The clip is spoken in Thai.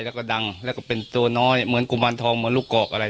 แล้วก็ดังแล้วก็เป็นตัวน้อยเหมือนกุมารทองเหมือนลูกกอกอะไร